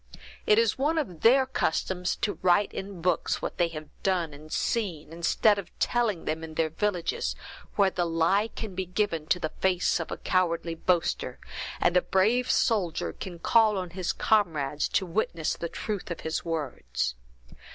It is one of their customs to write in books what they have done and seen, instead of telling them in their villages, where the lie can be given to the face of a cowardly boaster, and the brave soldier can call on his comrades to witness for the truth of his words.